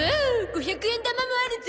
５００円玉もあるゾ。